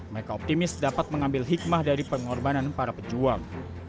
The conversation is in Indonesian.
mereka optimis dapat mengambil hikmah dari pengorbanan para pejuang